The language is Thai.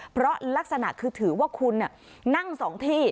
เพราะลักษณะคือถือว่าคุณนั่ง๒ที่